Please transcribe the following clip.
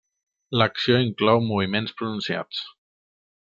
L'acció inclou moviments pronunciats.